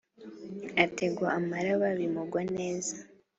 Ategwa amaraba bimugwa neza